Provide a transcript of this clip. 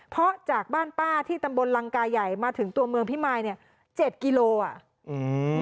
เพราะจากบ้านป้าที่ตำบลรังกายใหญ่มาถึงตัวเมืองพิมัย๗กิโลกรัม